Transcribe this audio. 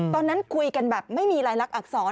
ตอนนั้นคุยกันแบบไม่มีลายลักษณอักษร